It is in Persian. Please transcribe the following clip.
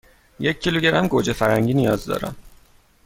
یک کیلوگرم گوجه فرنگی نیاز دارم.